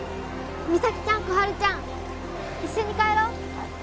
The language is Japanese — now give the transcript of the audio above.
実咲ちゃん心春ちゃん一緒に帰ろう